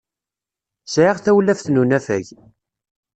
Sɛiɣ tawlaft n unafag.